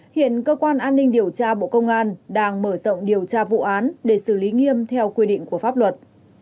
hiện cơ quan an ninh điều tra bộ công an đang mở rộng điều tra vụ án để xử lý nghiêm theo quy định của pháp luật